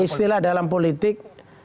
istilah dalam politik